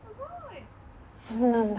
そうなんだ。